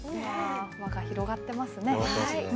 輪が広がっていますね。